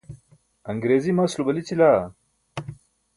aṅriizi maslo balićila?